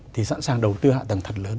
thì sẵn sàng đầu tư hạ tầng thật lớn